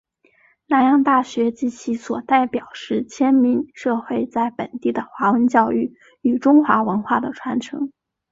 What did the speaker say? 南洋大学及其所代表是迁民社会在本地的华文教育与中华文化的传承。